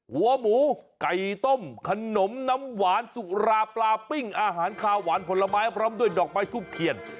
หัวหมูไก่ต้มขนมน้ำหวานสุราปลาปิ้งอาหารคาวหวานผลไม้พร้อมด้วยดอกไม้ทูบเทียน